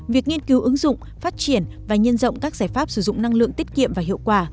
việc nghiên cứu ứng dụng phát triển và nhân rộng các giải pháp sử dụng năng lượng tiết kiệm và hiệu quả